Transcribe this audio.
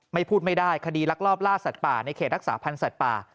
พูดไม่ได้คดีลักลอบล่าสัตว์ป่าในเขตรักษาพันธ์สัตว์ป่า